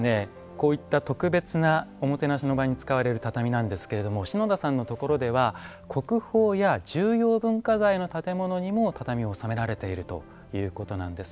こういった特別なおもてなしの場に使われる畳なんですけれども篠田さんのところでは国宝や重要文化財の建物にも畳を納められているということなんです。